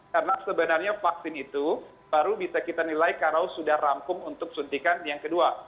karena sebenarnya vaksin itu baru bisa kita nilai kalau sudah rampung untuk suntikan yang kedua